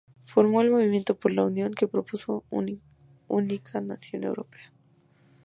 Formó el Movimiento por la Unión, que propuso una única nación europea.